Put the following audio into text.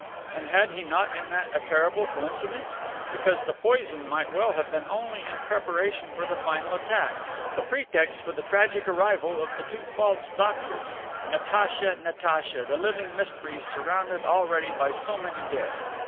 And had he not in that a terrible coincidence? Because the poison might well have been only in preparation for the final attack, the pretext for the tragic arrival of the two false doctors. Natacha, Natacha, the living mystery surrounded already by so many dead!